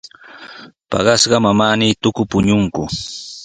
Paqaspaqa manami tuku puñunku.